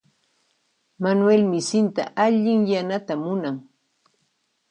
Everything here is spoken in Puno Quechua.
Manuel misinta allinyananta munan.